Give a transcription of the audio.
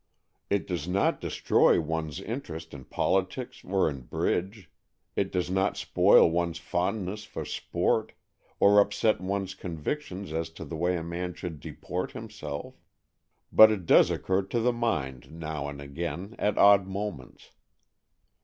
It does not destroy one's interest in politics or in bridge; it does not spoil one's fondness for sport, or upset one's convictions as to the way a man should deport himself ; but it does occur to the mind now and again at odd moments.